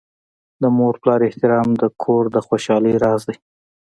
د مور پلار احترام د کور د خوشحالۍ راز دی.